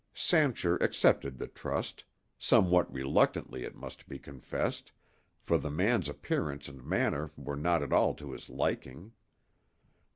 Sancher accepted the trust—somewhat reluctantly it must be confessed, for the man's appearance and manner were not at all to his liking.